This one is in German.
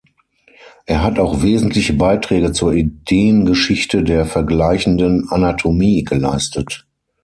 Er hat auch wesentliche Beiträge zur Ideengeschichte der vergleichenden Anatomie geleistet.